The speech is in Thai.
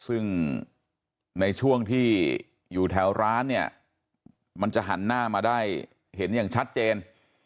ซึ่งในช่วงที่อยู่แถวร้านเนี่ยมันจะหันหน้ามาได้เห็นอย่างชัดเจน